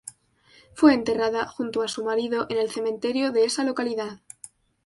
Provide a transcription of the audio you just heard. Fue enterrada junto a su marido en el Cementerio de esa localidad.